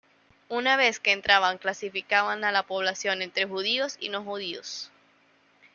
Una vez que entraban, clasificaban a la población entre judíos y no judíos.